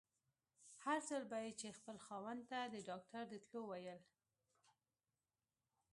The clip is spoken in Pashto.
هر ځل به يې چې خپل خاوند ته د ډاکټر د تلو ويل.